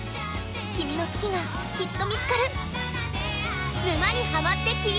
君の好きが、きっと見つかる。